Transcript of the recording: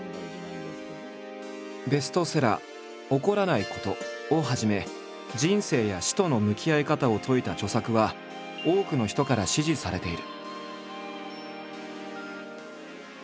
ベストセラー「怒らないこと」をはじめ人生や死との向き合い方を説いた著作は多くの人から支持されている。